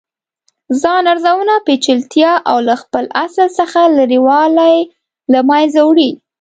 ځان ارزونه پیچلتیا او له خپل اصل څخه لرې والې له منځه وړي.